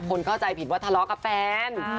คนเข้าใจผิดว่าทะลอกับแฟน